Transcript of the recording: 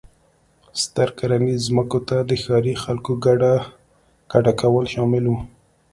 ستر کرنیزو ځمکو ته د ښاري خلکو کډه کول شامل و.